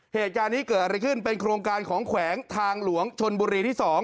เหตุการณ์นี้เกิดอะไรขึ้นเป็นโครงการของแขวงทางหลวงชนบุรีที่๒